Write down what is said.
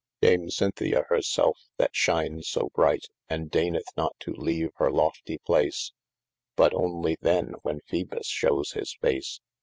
DAme Cinthia her selfe {that shines so bright, And dayneth not to leave hir loftie place : But onely then, when Phoebus shewes his face.